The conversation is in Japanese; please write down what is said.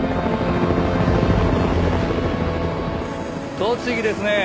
栃木ですね。